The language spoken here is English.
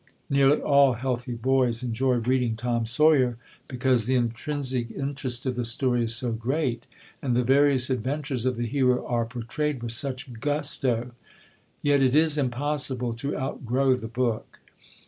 Nearly all healthy boys enjoy reading Tom Sawyer, because the intrinsic interest of the story is so great, and the various adventures of the hero are portrayed with such gusto. Yet it is impossible to outgrow the book.